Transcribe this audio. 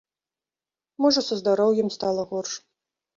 Можа, са здароўем стала горш.